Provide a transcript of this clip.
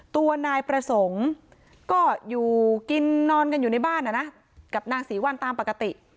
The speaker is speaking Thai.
ตัวนายประสงค์ก็อยู่กินนอนกันอยู่ในบ้านกับนางศรีวัลตามปกติ